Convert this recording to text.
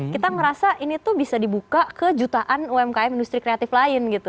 kita merasa ini tuh bisa dibuka ke jutaan umkm industri kreatif lain gitu